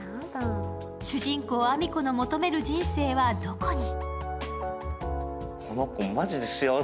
主人公あみ子の求める人生はどこに。